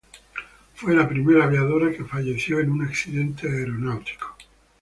Fue la primera aviadora que falleció en un accidente aeronáutico.